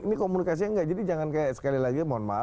ini komunikasinya enggak jadi jangan kayak sekali lagi mohon maaf